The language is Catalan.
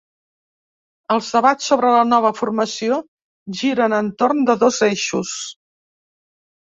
Els debats sobre la nova formació giren entorn de dos eixos.